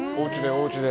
おうちで。